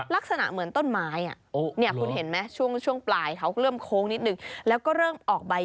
ลักษณะเหมือนต้นไม้